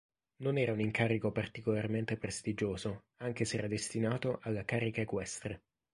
Non era un incarico particolarmente prestigioso, anche se era destinato alla carica equestre.